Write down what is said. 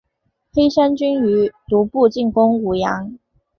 黑山军于毒部进攻武阳。